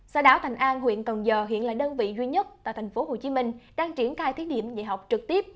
xã đảo thành an huyện cần giờ hiện là đơn vị duy nhất tại tp hcm đang triển khai thiết điểm dạy học trực tiếp